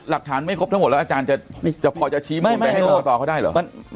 หลักฐานไม่ครบทั้งหมดแล้วอาจารย์จะพอจะชี้มูลไปให้กรกตเขาได้เหรอ